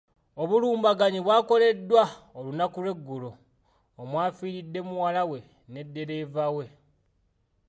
Obulumbaganyi bwakoleddwa olunaku lw’eggulo omwafiiridde muwala we ne ddereeva we.